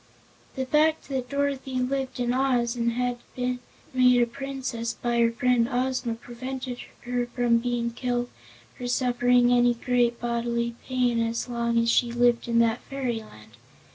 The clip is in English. The very fact that Dorothy lived in Oz, and had been made a Princess by her friend Ozma, prevented her from being killed or suffering any great bodily pain as long as she lived in that fairyland.